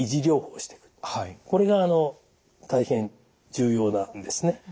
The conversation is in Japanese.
これが大変重要なんですね。